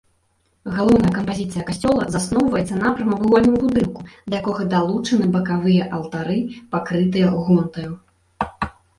Галоўная кампазіцыя касцёла засноўваецца на прамавугольным будынку, да якога далучаны бакавыя алтары, пакрытыя гонтаю.